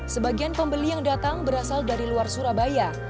sebagian pembeli yang datang berasal dari luar surabaya